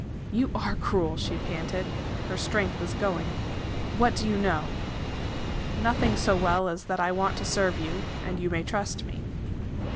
"You are cruel!" she panted. Her strength was going. "What do you know?" "Nothing so well as that I want to serve you, and you may trust me."